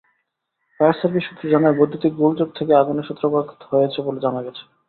Fire service সূত্র জানায়, বৈদ্যুতিক গোলযোগ থেকে আগুনের সূত্রপাত হয়েছে বলে জানা গেছে।